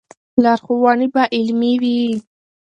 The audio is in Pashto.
لارښوونې به علمي وي.